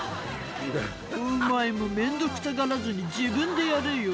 「お前も面倒くさがらずに自分でやれよ」